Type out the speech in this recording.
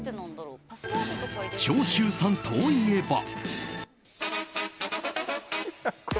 長州さんといえば。